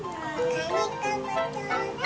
カニカマちょうだい。